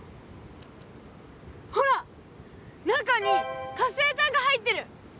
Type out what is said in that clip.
ほら中に活性炭が入ってる！